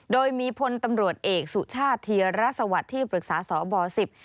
โดยมีพลตำรวจเอกสุชาติธีรสวัสดิ์ที่ปรึกษาสบสิบ